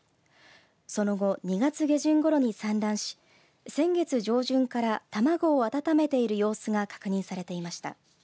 その後２月下旬ごろに産卵し先月上旬から卵を温めている様子が確認されていました。